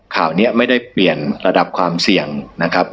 ข่าวนี้ไม่ได้เปลี่ยนระดับความเสี่ยงนะครับ